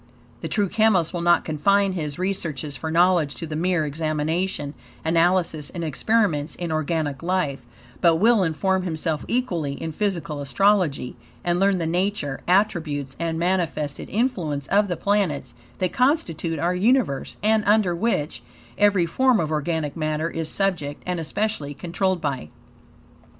The true chemist will not confine his researches for knowledge to the mere examination, analysis, and experiments, in organic life; but will inform himself equally, in physical astrology; and learn the nature, attributes, and manifested influences of the planets, that constitute our universe; and, under which, every form of organic matter is subject, and especially, controlled by.